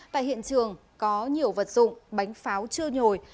tại hiện trường có nhiều vật dụng bánh pháo chưa nhồi